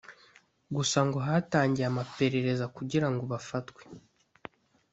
gusa ngo hatangiye amaperereza kugirango bafatwe